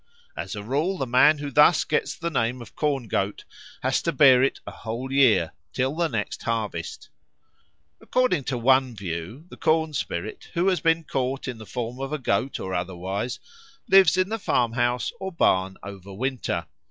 As a rule, the man who thus gets the name of Corn goat has to bear it a whole year till the next harvest. According to one view, the corn spirit, who has been caught in the form of a goat or otherwise, lives in the farmhouse or barn over winter.